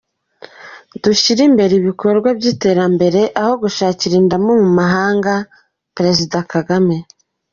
Dushyira imbere ibikorwa by’iterambere, aho gushakira indamu mu mahanga Perezida Kagame